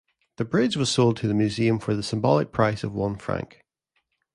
The bridge was sold to the museum for the symbolic price of one Franc.